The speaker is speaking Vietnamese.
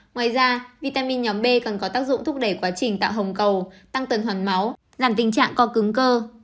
ngoài ra vitamin nhóm b còn có tác dụng thúc đẩy quá trình tạo hồng cầu tăng tuần hoàn máu giảm tình trạng co cứng cơ